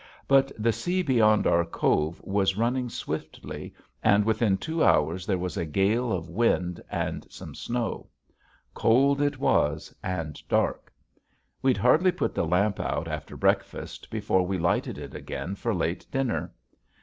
But the sea beyond our cove was running swiftly and within two hours there was a gale of wind and some snow. Cold it was and dark. We'd hardly put the lamp out after breakfast, before we lighted it again for late dinner.